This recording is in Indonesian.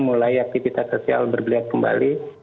mulai aktivitas sosial bergeliat kembali